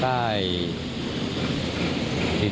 ใช่ครับ